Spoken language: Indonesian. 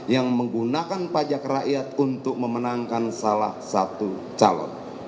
yang menggunakan pajak rakyat untuk memenangkan salah satu calon